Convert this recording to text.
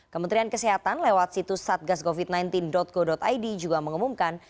kementerian kesehatan lewat situs satgascovid sembilan belas go id juga mengumumkan